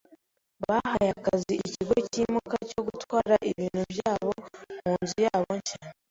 Bahaye akazi ikigo cyimuka cyo gutwara ibintu byabo munzu yabo nshya.